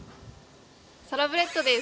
サラブレッドです！